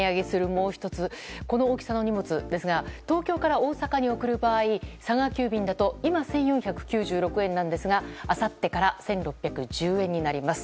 もう１つこの大きさの荷物ですが東京から大阪に送る場合佐川急便だと今は１４９６円なんですがあさってから１６１０円になります。